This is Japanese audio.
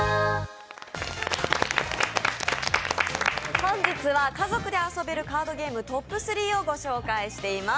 本日は家族で遊べるカードゲームトップ３をご紹介しています